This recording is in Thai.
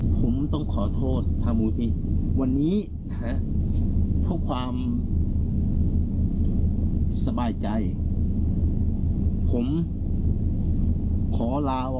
ผมต้องขอโทษทางมูลที่วันนี้นะเพื่อความสบายใจผมขอลาว